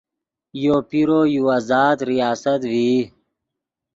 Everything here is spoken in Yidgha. یو پیرو یو آزاد ریاست ڤئی